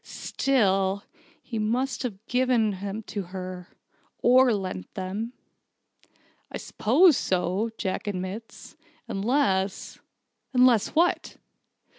Still, he must have given them to her or lent them." "I suppose so," Jack admitted, "unless " "Unless what?"